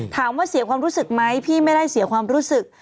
ถามว่าเสียความรู้สึกไหมพี่ไม่ได้เสียความรู้สึก